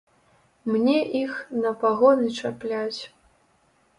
Мне іх на пагоны чапляць!